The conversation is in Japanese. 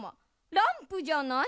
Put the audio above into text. ランプじゃない。